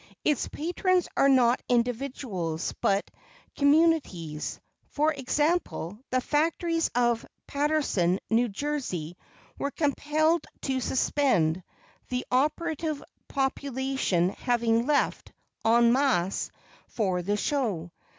Its patrons are not individuals, but communities. For example, the factories of Paterson, N. J., were compelled to suspend, the operative population having left, en masse for the show.